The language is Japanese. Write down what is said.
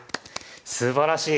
すばらしい！